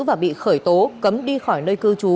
và bị khởi tố cấm đi khỏi nơi cư trú